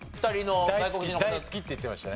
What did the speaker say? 大好きって言ってましたね。